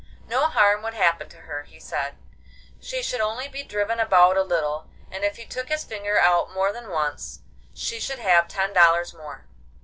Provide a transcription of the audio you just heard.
No harm should happen to her, he said; she should only be driven about a little, and if he took his finger out more than once, she should have ten dollars more.